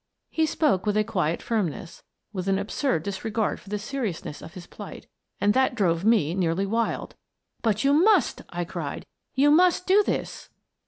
He spoke with a quiet firmness, with an absurd disregard for the seriousness of his plight, that drove me nearly wild. " But you must !" I cried. " You must do this